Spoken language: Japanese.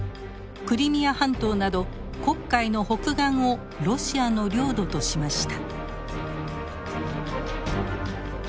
クリミア半島など黒海の北岸をロシアの領土としました。